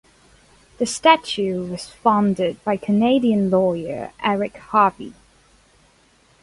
The statue was funded by Canadian lawyer Eric Harvie.